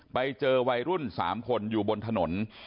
ไปเจอวัยรุ่น๓คนอยู่บนถนน